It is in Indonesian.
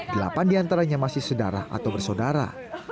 delapan diantaranya masih sedarah atau bersaudara